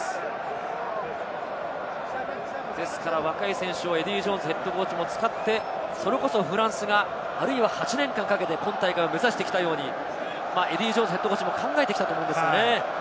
ですから若い選手をエディー・ジョーンズＨＣも使って、フランスがあるいは８年間かけて今大会を目指してきたように、エディー・ジョーンズＨＣも考えてきたと思うんですよね。